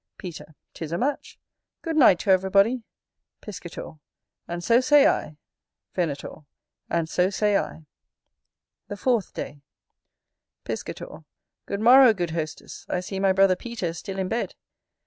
Peter. 'Tis a match. Good night to everybody. Piscator. And so say I. Venator. And so say I. The fourth day Piscator. Good morrow, good hostess, I see my brother Peter is still in bed.